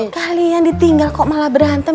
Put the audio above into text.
kalian ditinggal kok malah berantem